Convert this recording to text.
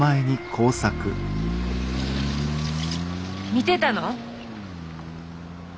見てたの？